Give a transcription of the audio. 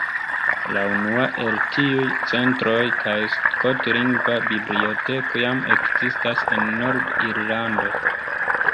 La unua el tiuj centroj kaj skotlingva biblioteko jam ekzistas en Nord-Irlando.